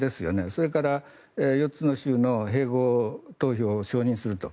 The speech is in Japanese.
それから４つの州の併合投票を承認すると。